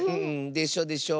でしょでしょ。